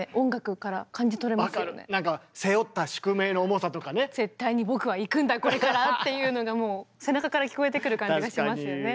そういうところが「絶対に僕は行くんだこれから」っていうのがもう背中から聞こえてくる感じがしますよね。